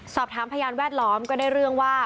พยานแวดล้อมก็ได้เรื่องว่า